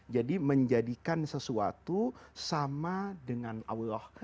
jadi menjadikan sesuatu sama dengan allah